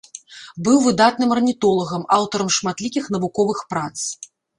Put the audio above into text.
Быў выдатным арнітолагам, аўтарам шматлікіх навуковых прац.